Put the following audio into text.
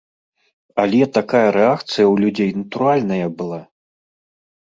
Але такая рэакцыя ў людзей натуральная была!